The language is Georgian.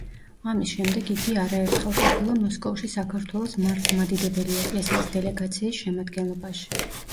ამის შემდეგ იგი არაერთხელ ყოფილა მოსკოვში საქართველოს მართლმადიდებელი ეკლესიის დელეგაციის შემადგენლობაში.